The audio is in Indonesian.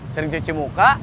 sering cuci muka